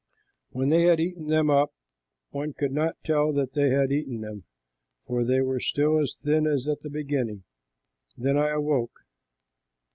When they had eaten them up, one could not tell that they had eaten them, for they were still as thin as at the beginning. Then I awoke.